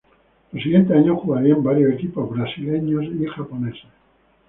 Los siguientes años jugaría en varios equipos brasileños y japoneses.